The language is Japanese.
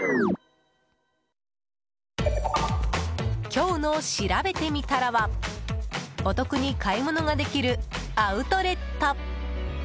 今日のしらべてみたらはお得に買い物ができるアウトレット！